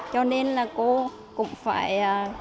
cho nên là cô cũng phải